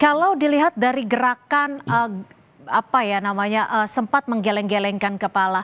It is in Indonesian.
kalau dilihat dari gerakan apa ya namanya sempat menggeleng gelengkan kepala